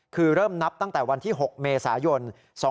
คือเริ่มนับตั้งแต่วันที่๖เมษายน๒๕๖